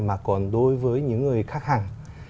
mà còn đối với những người khác hẳn